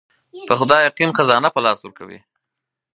په خدای يقين خزانه په لاس ورکوي.